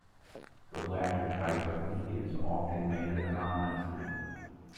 The latter type of leak is often made anonymously.